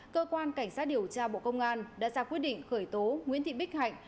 cơ quan cảnh sát điều tra bộ công an đã ra quyết định khởi tố nguyễn thị bích hạnh